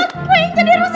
lo yang jadi rusak